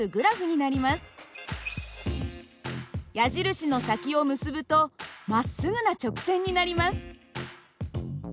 矢印の先を結ぶとまっすぐな直線になります。